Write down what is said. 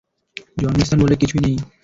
জন্মস্থান বলে কিছুই নেই।